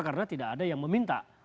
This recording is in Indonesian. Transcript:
karena tidak ada yang meminta